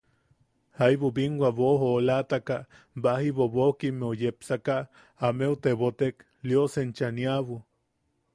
Jaibu binwa boʼojoolataka baji bobokimmeu yepsaka ameu tebotek: –Lios enchaniabu.